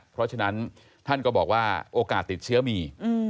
เพราะฉะนั้นท่านก็บอกว่าโอกาสติดเชื้อมี